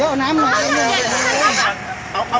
เก่าแป้ง